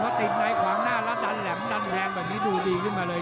พอติดในขวางหน้าแล้วดันแหลมดันแทงแบบนี้ดูดีขึ้นมาเลย